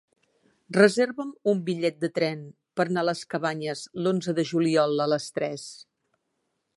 Reserva'm un bitllet de tren per anar a les Cabanyes l'onze de juliol a les tres.